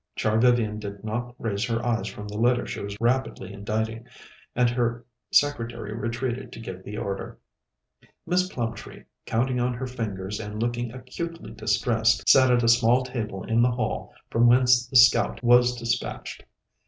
Char Vivian did not raise her eyes from the letter she was rapidly inditing, and her secretary retreated to give the order. Miss Plumtree, counting on her fingers and looking acutely distressed, sat at a small table in the hall from whence the Scout was dispatched.